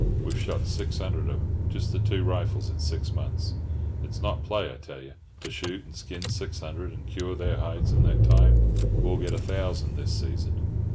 We've shot six hundred of 'em—just the two rifles—in six months. It's not play, I tell you, to shoot and skin six hundred and cure their hides in that time. We'll get a thousand this season."